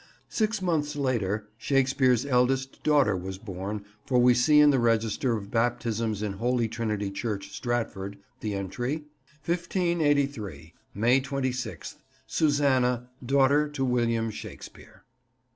Six months later, Shakespeare's eldest daughter was born, for we see in the register of baptisms in Holy Trinity church, Stratford, the entry:— "1583, May 26th, Susanna, daughter to William Shakespere."